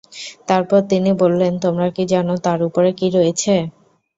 তারপর তিনি বললেন, তোমরা কি জান, তার উপরে কি রয়েছে?